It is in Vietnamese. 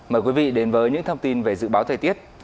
mời quý vị đến với những thông tin về dự báo thời tiết